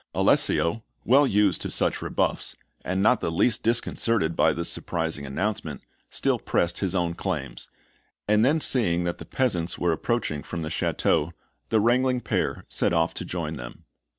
Alessio, well used to such rebuffs, and not the least disconcerted by this surprising announcement, still pressed his own claims; and then seeing that the peasants were approaching from the château, the wrangling pair set off to join them.